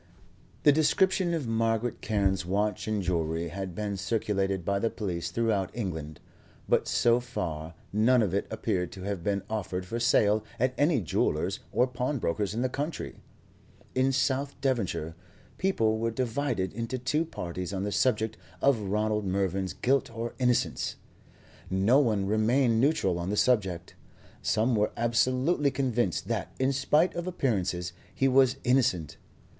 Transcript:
The description of Margaret Carne's watch and jewellery had been circulated by the police throughout England, but so far none of it appeared to have been offered for sale at any jeweller's or pawnbroker's in the country. In South Devonshire, people were divided into two parties on the subject of Ronald Mervyn's guilt or innocence. No one remained neutral on the subject. Some were absolutely convinced that, in spite of appearances, he was innocent.